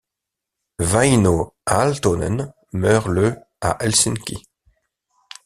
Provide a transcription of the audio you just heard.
Wäinö Aaltonen meurt le à Helsinki.